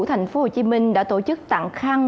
thành phố hồ chí minh đã tổ chức tặng khăn